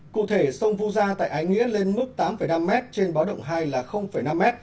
cụ thể sông vu gia tại ái nghĩa lên mức tám năm m trên báo động hai là năm m